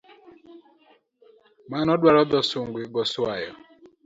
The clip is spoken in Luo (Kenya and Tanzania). Mano dwaro tho sungu goswayo